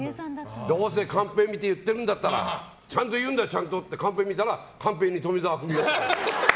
どうせカンペ見て言っているんだったらちゃんと言うんだよってカンペ見たらカンペにトミザワ・フミオって。